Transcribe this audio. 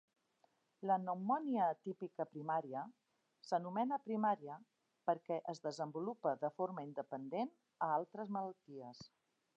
"La pneumònia atípica primària" s'anomena "primària" perquè es desenvolupa de forma independent a altres malalties.